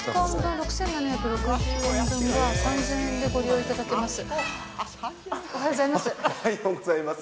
６７６０円分が、３０００円でご利用いただけます。